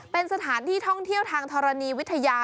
เป็นสถานที่ท่องเที่ยวทางธรณีวิทยา